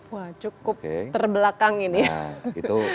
wah cukup terbelakang ini